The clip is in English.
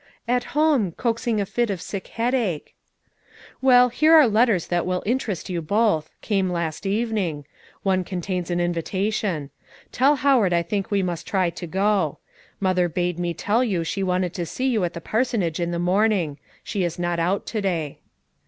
"At home, coaxing a fit of sick headache." "Well, here are letters that will interest you both, came last evening; one contains an invitation. Tell Howard I think we must try to go. Mother bade me tell you she wanted to see you at the parsonage in the morning; she is not out to day."